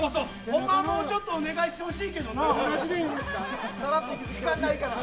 ほんまは、もうちょっとお願いしてほしいけどな。